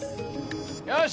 よし！